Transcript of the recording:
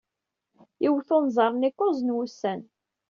Iwet unẓar-nni kuẓ n wussan.